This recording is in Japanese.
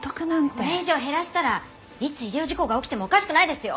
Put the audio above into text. これ以上減らしたらいつ医療事故が起きてもおかしくないですよ！